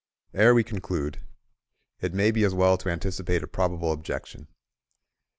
Ere we conclude, it may be as well to anticipate a probable objection.